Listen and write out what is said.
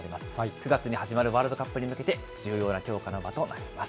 ９月に始まるワールドカップに向けて、重要な強化の場となります。